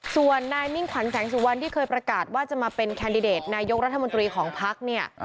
ส่วนนายมิ่งขวัญแสงสุวรรณที่เคยประกาศว่าจะมาเป็นแคนดิเดตนายกรัฐมนตรีของพักเนี่ย